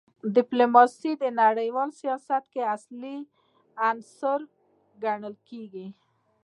ډیپلوماسي د نړیوال سیاست اصلي عنصر ګڼل کېږي.